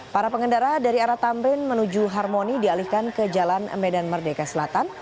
para pengendara dari arah tamrin menuju harmoni dialihkan ke jalan medan merdeka selatan